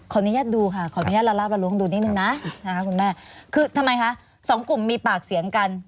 อนุญาตดูค่ะขออนุญาตละลาบละล้วงดูนิดนึงนะนะคะคุณแม่คือทำไมคะสองกลุ่มมีปากเสียงกัน